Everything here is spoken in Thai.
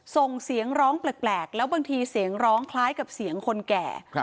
ส่งเสียงร้องแปลกแล้วบางทีเสียงร้องคล้ายกับเสียงคนแก่